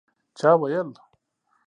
چا ویل